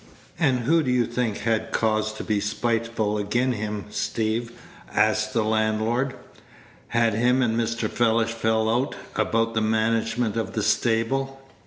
"And who do you think had cause to be spiteful agen him, Steeve?" asked the landlord. "Had him and Mr. Mellish fell out about the management of the stable?"